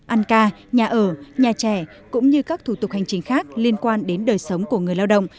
ăn ca nhà ở nhà trẻ cũng như các thủ tục hành chính khác liên quan đến đời sống của người lao động